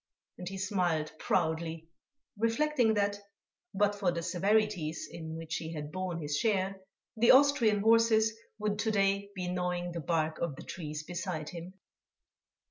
And he smiled proudly, reflecting that, but for the severities in which he had borne his share, the Austrian horses would to day be gnawing the bark of the trees beside him.